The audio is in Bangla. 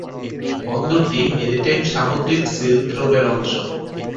বন্দরটি মেরিটাইম সামুদ্রিক সিল্ক রোডের অংশ।